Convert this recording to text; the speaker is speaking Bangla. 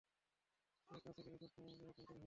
সে কাছে গেলেই সবমসময় এরকমটা হয়।